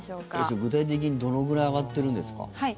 それは具体的にどのぐらい上がってるんですか。